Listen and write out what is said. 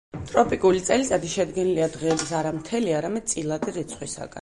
ტროპიკული წელიწადი შედგენილია დღეების არა მთელი არამედ წილადი რიცხვისაგან.